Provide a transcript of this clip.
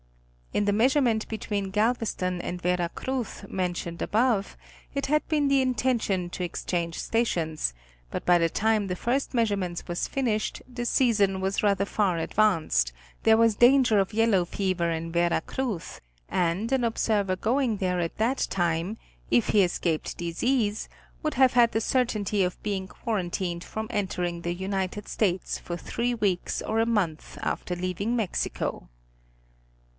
In the measurement between Galveston and Vera Cruz mentioned above, it had been the intention to exchange stations, but by the time the first measurement was finished the season was rather far advanced, there was danger of yellow fever in Vera Cruz and an observer going there at that. Telegraphic Determinations of Longitude. 17 time, if he escaped, disease would have had the certainty. of being quarantined from entering the United States for three weeks or a month after leaving Mexico.